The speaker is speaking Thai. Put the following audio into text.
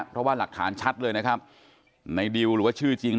เพราะว่าหลักฐานชัดเลยนะครับในดิวหรือว่าชื่อจริง